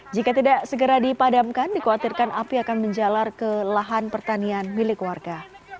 jika tidak segera dipadamkan dikhawatirkan api akan menjalar ke lahan pertanian milik warga